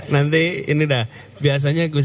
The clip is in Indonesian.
nanti nyatakan kenapa pengumuman